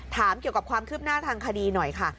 ถามเกี่ยวกับความคืบหน้าทางคดีหน่อยค่ะ